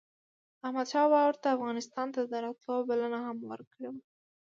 احمد شاه بابا ورته افغانستان ته دَراتلو بلنه هم ورکړې وه